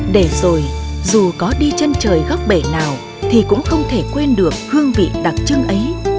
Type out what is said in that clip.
để rồi dù có đi chân trời góc bể nào thì cũng không thể quên được hương vị đặc trưng ấy